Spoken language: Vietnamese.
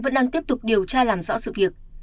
vẫn đang tiếp tục điều tra làm rõ sự việc